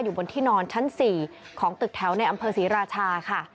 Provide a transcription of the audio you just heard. บนที่นอนชั้น๔ของตึกแถวในอำเภอศรีราชาค่ะ